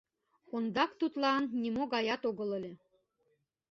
Ондак тудлан нимо гаят огыл ыле.